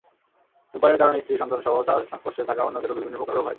ধূমপানের কারণে স্ত্রী, সন্তানসহ তার সংস্পর্শে থাকা অন্যদেরও বিভিন্ন প্রকার রোগ হয়।